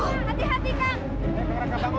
aku siap melayani